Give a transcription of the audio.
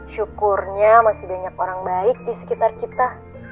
syukurnya masih banyak orang baik di sekitar kita